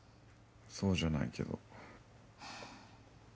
そうじゃないけど。